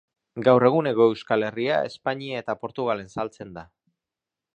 Gaur egun Hego Euskal Herria, Espainia eta Portugalen saltzen da.